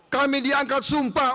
kami diangkat sumpah